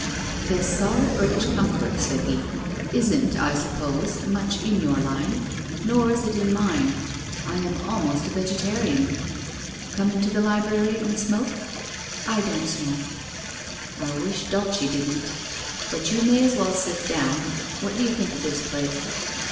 ' This solid British comfort/ said he, ' isn't, I suppose, much in your line. Nor is it in mine. I am almost a vegetarian. Come into the library and smoke?' ' I don't smoke.' 60 WHITE ROSE OF WEARY LEAF 61 ' I wish Dulce didn't. But you may as well sit down. What do you think of this place?'